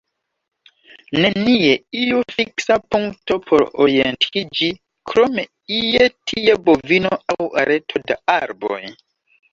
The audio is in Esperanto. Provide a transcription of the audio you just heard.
Nenie iu fiksa punkto por orientiĝi, krom ie-tie bovino aŭ areto da arboj.